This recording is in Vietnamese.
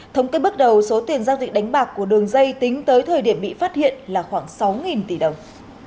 thống kê bước đầu số tiền giao dịch đánh bạc của đường dây tính tới thời điểm bị phát hiện là khoảng sáu tỷ đồng